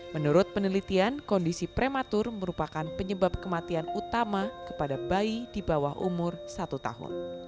menurut penelitian kondisi prematur merupakan penyebab kematian utama kepada bayi di bawah umur satu tahun